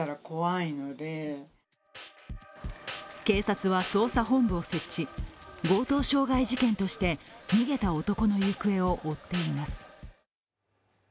警察は捜査本部を設置強盗傷害事件として逃げた男の行方を追っています。